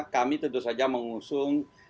kami tentu saja mengusung